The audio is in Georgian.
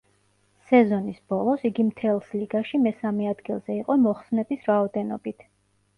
სეზონის ბოლოს, იგი მთელს ლიგაში მესამე ადგილზე იყო მოხსნების რაოდენობით.